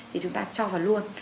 thì chúng ta cho vào luôn